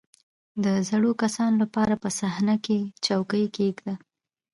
• د زړو کسانو لپاره په صحنه کې څوکۍ کښېږده.